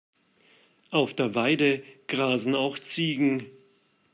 Auf der Weide grasen auch Ziegen.